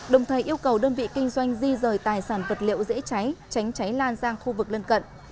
đồng thời yêu cầu đơn vị kinh doanh di rời tài sản vật liệu dễ cháy tránh cháy lan sang khu vực lân cận